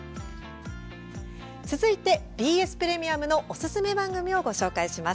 続いてＢＳプレミアムのおすすめ番組をご紹介します。